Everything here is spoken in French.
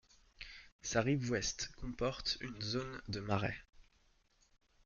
Sa rive ouest comporte une zone de marais.